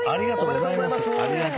ありがとうございます。